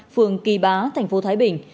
phường kỳ bá thành phố thái bình